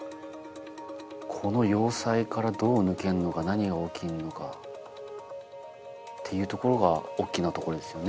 この要塞からどう抜けんのか何が起きんのかっていうところが大きなところですよね